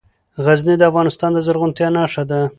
غزني د افغانستان د زرغونتیا نښه ده.